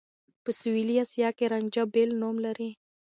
په سوېلي اسيا کې رانجه بېل نوم لري.